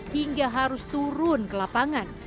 hingga harus turun ke lapangan